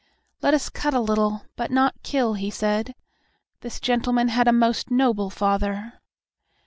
"Let us cut a little, but not kill," he said. "This gentleman had a most noble father."